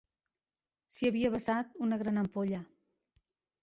S'havia vessat una gran ampolla